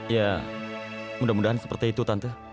ya mudah mudahan seperti itu tante